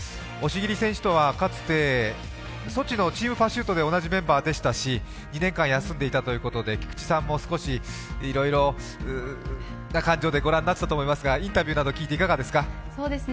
押切選手とはかつてソチのチームパシュートで同じメンバーでしたし２年間、休んでいたということで菊池さんも少しいろいろな感情でご覧になっていたと思いますがインタビューなど聞いていかがですか？